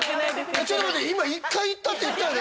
ちょっと待って今「１回行った」って言ったよね？